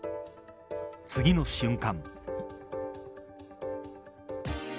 次の瞬間。